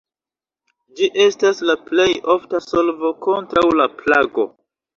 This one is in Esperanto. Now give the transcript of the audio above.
Ĝi estas la plej ofta solvo kontraŭ la plago.